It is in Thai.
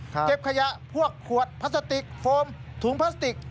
เก็บขยะพวกขวดพลาสติกโฟมถุงพลาสติก